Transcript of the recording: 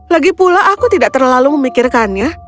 lagipula aku tidak terlalu memikirkannya